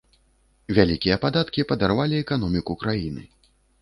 Вялікія падаткі падарвалі эканоміку краіны.